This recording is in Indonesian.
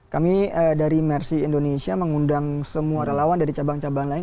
kami dari mercy indonesia mengundang semua relawan dari cabang cabang lain